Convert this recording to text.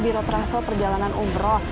di rotrasel perjalanan umroh